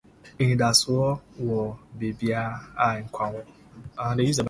Anidaso wɔ baabi a nkwa wɔ.